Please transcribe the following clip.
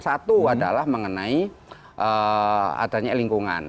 satu adalah mengenai adanya lingkungan